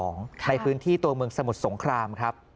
ในพื้นที่ตัวเมืองสมุทรสงครามครับ